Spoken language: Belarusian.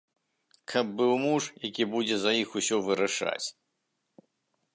Каб быў муж, які будзе за іх усё вырашаць.